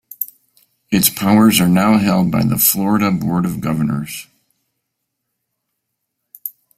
Its powers are now held by the Florida Board of Governors.